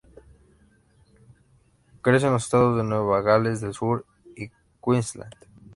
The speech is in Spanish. Crece en los estados de Nueva Gales del Sur y Queensland.